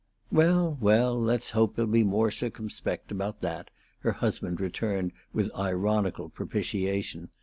"Well, well, let's hope he'll be more circumspect about that," her husband returned, with ironical propitiation.